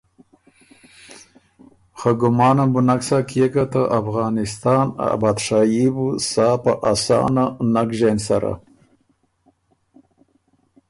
خه ګمانم بُو نک سَۀ کيې که ته افغانسان ا بادشايي بو سا په اسانه نک ژېن سره